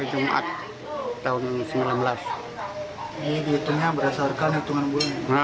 ini dihitungnya berdasarkan hitungan bulan